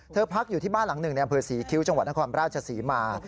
พักอยู่ที่บ้านหลังหนึ่งในอำเภอศรีคิ้วจังหวัดนครราชศรีมา